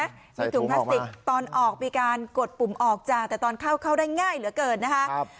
มีถุงพลาสติกตอนออกมีการกดปุ่มออกจ้าแต่ตอนเข้าเข้าได้ง่ายเหลือเกินนะคะ